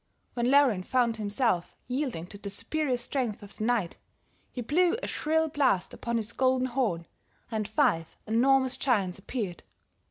When Laurin found himself yielding to the superior strength of the knight, he blew a shrill blast upon his golden horn, and five enormous giants appeared.